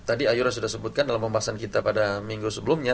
tadi ayora sudah sebutkan dalam pembahasan kita pada minggu sebelumnya